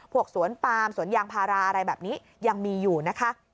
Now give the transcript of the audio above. สวนปามสวนยางพาราอะไรแบบนี้ยังมีอยู่นะคะ